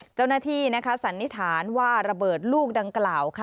เจ้าหน้าที่สันนิษฐานว่าระเบิดลูกดังกล่าว